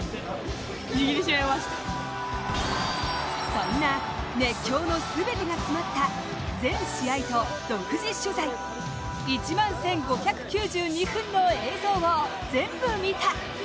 そんな熱狂の全てが詰まった全試合と独自取材１万１５９２分の映像をぜんぶ見た。